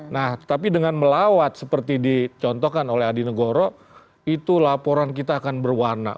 nah tapi dengan melawat seperti dicontohkan oleh adi negoro itu laporan kita akan berwarna